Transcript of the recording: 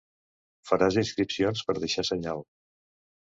Faràs inscripcions per deixar senyal.